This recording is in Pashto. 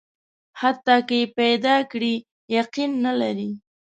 حتی که یې پیدا کړي، یقین نه لري.